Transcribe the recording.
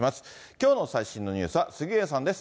きょうの最新のニュースは杉上さんです。